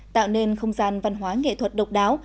tạo nên không gian văn hóa nghệ thuật độc đáo